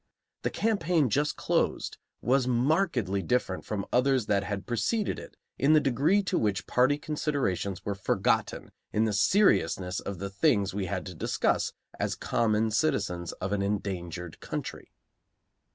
The campaign just closed was markedly different from others that had preceded it in the degree to which party considerations were forgotten in the seriousness of the things we had to discuss as common citizens of an endangered country.